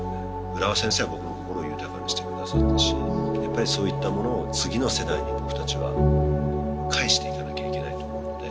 うらわ先生は僕の心を豊かにしてくださったしやっぱりそういったものを次の世代に僕たちは返していかなきゃいけないと思うんで